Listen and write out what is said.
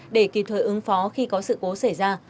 để kịp thời ứng phó khi có sự cố xảy ra